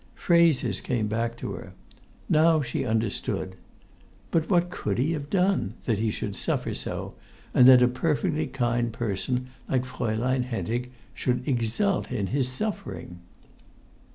Phrases came back to her. Now she understood. But what could he have done, that he should suffer so, and that a perfectly kind person like Fraulein Hentig should exult in his suffering?